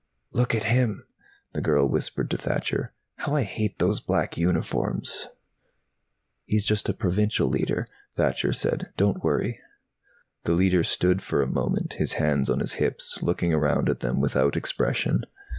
"Look at him," the girl whispered to Thacher. "How I hate those black uniforms!" "He's just a Provincial Leiter," Thacher said. "Don't worry." The Leiter stood for a moment, his hands on his hips, looking around at them without expression.